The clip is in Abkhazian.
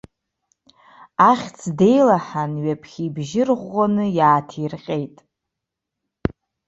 Ахьӡ деилаҳан ҩаԥхьа ибжьы рӷәӷәаны иааҭирҟьеит.